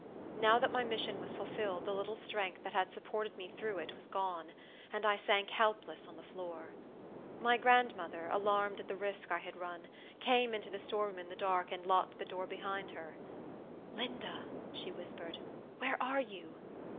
Now that my mission was fulfilled, the little strength that had supported me through it was gone, and I sank helpless on the floor. My grandmother, alarmed at the risk I had run, came into the storeroom in the dark, and locked the door behind her. "Linda," she whispered, "where are you?"